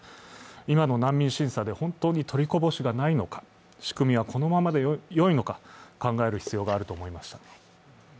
今の難民審査で本当に取りこぼしがないのか、仕組みはこのままでよいのか、考える必要があると思いました。